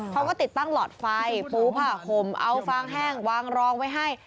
เขาก็ติดตั้งหลอดไฟปูผ้าห่มเอาฟางแห้งวางรองไว้ให้